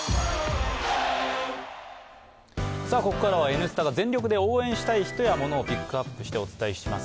ここからは「Ｎスタ」が全力で応援したい人やモノをピックアップしてお伝えします